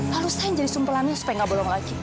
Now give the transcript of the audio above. lalu saya yang jadi sumpelannya supaya nggak bolong lagi